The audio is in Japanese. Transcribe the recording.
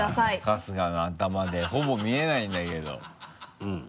春日の頭でほぼ見えないんだけどうん。